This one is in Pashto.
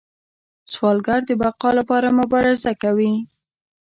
سوالګر د بقا لپاره مبارزه کوي